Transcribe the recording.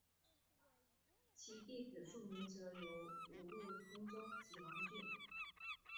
其弟子著名者有五鹿充宗及王骏。